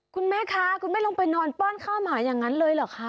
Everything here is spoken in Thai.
คุณแม่คะคุณไม่ลงไปนอนป้อนข้าวหมาอย่างนั้นเลยเหรอคะ